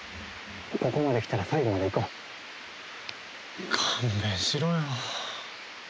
ここまで来たら最後まで行こう勘弁しろよ